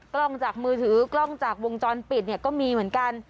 กล้องจากมือถือกล้องจากวงจรปิดเนี่ยก็มีเหมือนกัน